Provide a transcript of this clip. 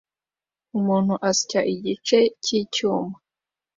Umuntu asya igice cyicyuma